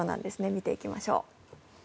見ていきましょう。